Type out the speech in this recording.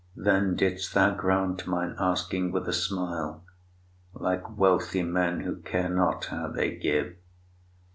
Then didst thou grant mine asking with a smile, Like wealthy men who care not how they give.